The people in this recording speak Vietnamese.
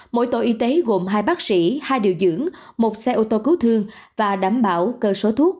mỗi tổ y tế gồm hai bác sĩ hai điều dưỡng một xe ô tô cứu thương và đảm bảo cơ số thuốc